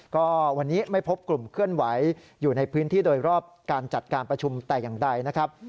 ก็วันนี้ไม่พบกลุ่มเคลื่อนไหวอยู่ในพื้นที่โดยรอบการจัดการประชุมแต่อย่างใดนะครับ